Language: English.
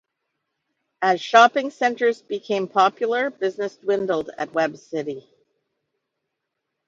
As shopping centers became popular, business dwindled at Webb's City.